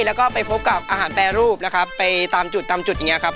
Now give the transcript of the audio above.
แล้วก็ไปพบกับอาหารแปรรูปนะครับไปตามจุดตามจุดอย่างเงี้ครับ